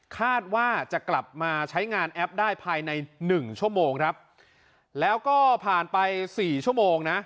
คาดว่าจะกลับมาใช้งานแอปได้ภายในหนึ่งชั่วโมงครับแล้วก็ผ่านไปสี่ชั่วโมงนะ